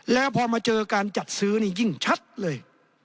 แล้วพอมาเจอการจัดซื้อนี่ยิ่งชัดเลย